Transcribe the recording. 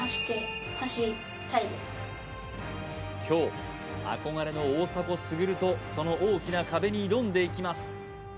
今日憧れの大迫傑とその大きな壁に挑んでいきます